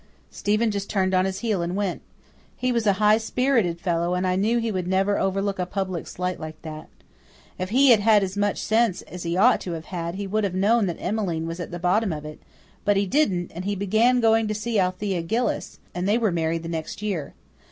Stephen just turned on his heel and went. He was a high spirited fellow and I knew he would never overlook a public slight like that. If he had had as much sense as he ought to have had he would have known that Emmeline was at the bottom of it; but he didn't, and he began going to see Althea Gillis, and they were married the next year.